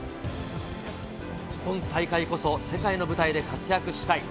今大会こそ、世界の舞台で活躍したい。